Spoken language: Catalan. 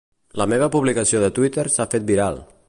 La meva publicació de Twitter s'ha fet viral.